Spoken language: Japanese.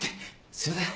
すいません。